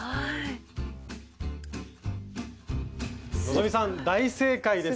希さん大正解です！